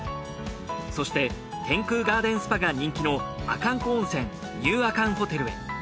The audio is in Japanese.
そして天空ガーデンスパが人気の阿寒湖温泉・ニュー阿寒ホテルへ。